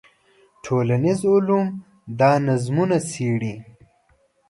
ټولنیز علوم دا نظمونه څېړي.